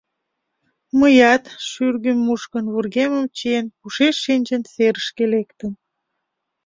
Мыят, шӱргым мушкын, вургемым чиен, пушеш шинчын, серышке лектым.